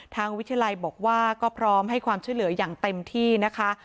ทางวิทยาลัยบอกว่าก็พร้อมให้ความช่วยเหลืออย่างเต็มที่นะคะ